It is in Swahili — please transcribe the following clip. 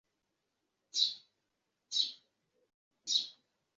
a waendesha mashtaka nchini ujerumani wasema huenda kijana alishambuliwa wanaanga wa marekani